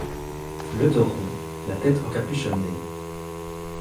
Le dos rond, la tête encapuchonnée.